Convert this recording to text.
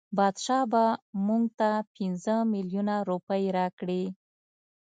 بادشاه به مونږ ته پنځه میلیونه روپۍ راکړي.